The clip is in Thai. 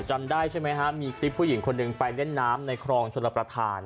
จำได้ใช่ไหมฮะมีคลิปผู้หญิงคนหนึ่งไปเล่นน้ำในคลองชลประธาน